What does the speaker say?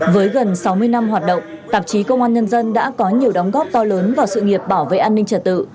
với gần sáu mươi năm hoạt động tạp chí công an nhân dân đã có nhiều đóng góp to lớn vào sự nghiệp bảo vệ an ninh trật tự